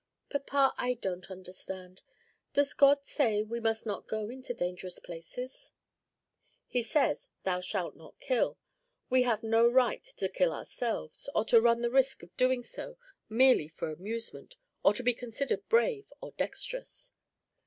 "Papa, I don't understand. Does God say we must not go into dangerous places?" "He says, 'Thou shalt not kill;' we have no right to kill ourselves, or to run the risk of doing so merely for amusement or to be considered brave or dexterous."